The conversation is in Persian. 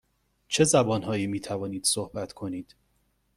چه زبان هایی می توانید صحبت کنید؟